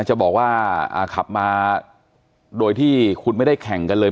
จะบอกว่าขับมาโดยที่คุณไม่ได้แข่งกันเลย